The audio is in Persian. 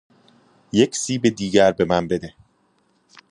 یک سیب دیگر به من بده.